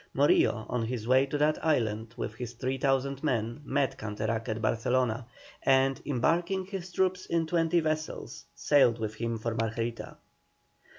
Morillo on his way to that island with his 3,000 men met Canterac at Barcelona, and, embarking his troops in twenty vessels, sailed with him for Margarita.